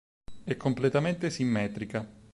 È completamente simmetrica.